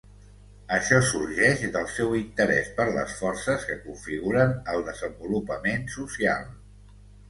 Això sorgeix del seu interès per les forces que configuren el desenvolupament social.